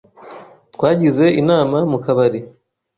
Twagize inama mu kabari.